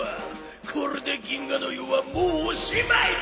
これで銀河ノ湯はもうおしまいだ！